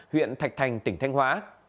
huyện thạch thành tỉnh thanh hóa